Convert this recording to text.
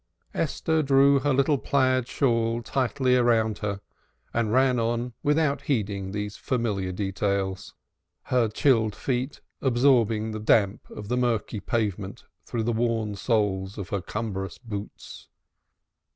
Esther drew her little plaid shawl tightly around her, and ran on without heeding these familiar details, her chilled feet absorbing the damp of the murky pavement through the worn soles of her cumbrous boots.